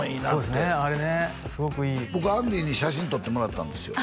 すごくいい僕アンディに写真撮ってもらったんですよ